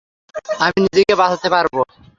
আমি নিজেকে বাঁচাতে পারবো।